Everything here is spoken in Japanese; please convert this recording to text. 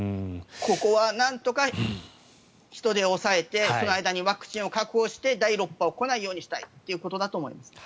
ここはなんとか人出を抑えてワクチンを確保して第６波が来ないようにしたいということだと思います。